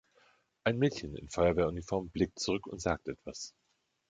Ein Mädchen in Feuerwehruniform blickt zurück und sagt etwas.